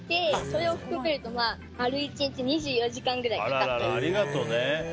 それを含めると丸１日２４時間くらいかかってます。